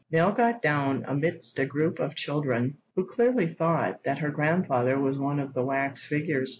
Nell got down amidst a group of children, who clearly thought that her grandfather was one of the wax figures.